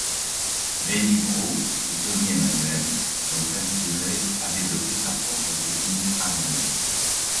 Lenny Breau et Tommy Emmanuel l'ont inspiré à développer sa propre technique harmonique.